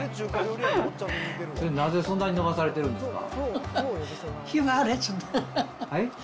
それ、なぜそんなに伸ばされてるんですか。